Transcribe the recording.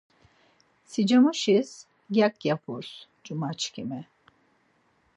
Sicamuşis gyakyaburs, cumaçkimi